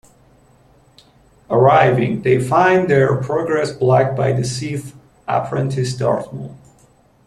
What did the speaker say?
Arriving, they find their progress blocked by the sith apprentice Darth Maul.